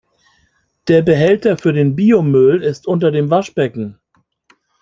Der Behälter für den Biomüll ist unter dem Waschbecken.